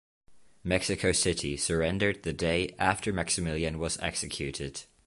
Mexico City surrendered the day after Maximilian was executed.